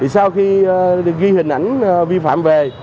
sau khi ghi hình ảnh vi phạm về